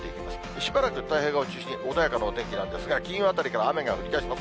しばらく太平洋側を中心に穏やかなお天気なんですが、金曜あたりから雨が降りだします。